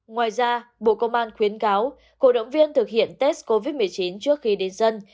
ngoài ra bộ công an khuyến cáo cổ động viên thực hiện test covid một mươi chín trước khi đến dân